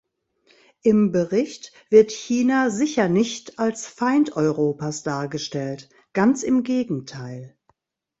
Im Bericht wird China sicher nicht als Feind Europas dargestellt, ganz im Gegenteil.